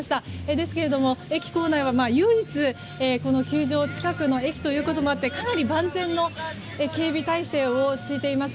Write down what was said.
ですけれども駅構内は唯一、この球場近くの駅ということもあってかなり万全の警備体制を敷いています。